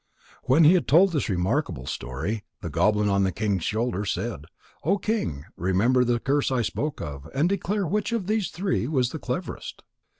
When he had told this remarkable story, the goblin on the king's shoulder said: "O King, remember the curse I spoke of and declare which of these three was the cleverest."